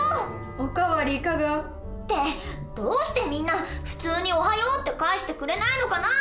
お代わりいかが？ってどうしてみんな普通に「おはよう」って返してくれないのかなあ